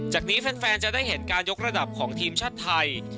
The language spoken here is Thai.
จากนี้แฟนจะได้เห็นการยกระดับของทีมชาติไทย